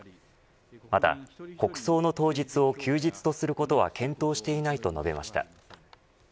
また、国葬の当日を休日とすることは検討していないと述べました。